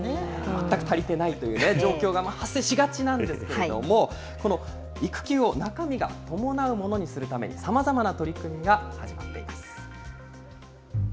全く足りてないという状況が発生しがちなんですけれども、この育休を中身が伴うものにするために、さまざまな取り組みが始まっています。